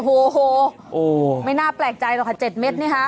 โอ้โหไม่น่าแปลกใจหรอกค่ะ๗เม็ดนี่ฮะ